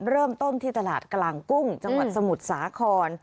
เริ่มต้นที่ตลาดกลางกุ้งจังหวัดสมุทรสาคร